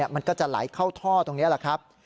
มันก็จะไหลเข้าท่อตรงนี้แหละครับ